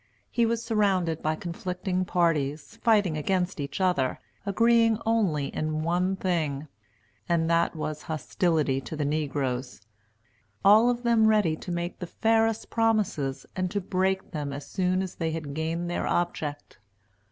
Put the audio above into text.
He was surrounded by conflicting parties, fighting against each other, agreeing only in one thing, and that was hostility to the negroes; all of them ready to make the fairest promises, and to break them as soon as they had gained their object.